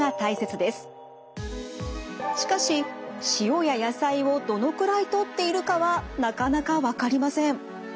しかし塩や野菜をどのくらいとっているかはなかなか分かりません。